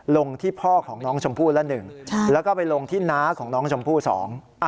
ลงที่พ่อของน้องชมพู่ละหนึ่งใช่แล้วก็ไปลงที่น้าของน้องชมพู่สอง